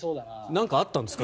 なんかあったんですか？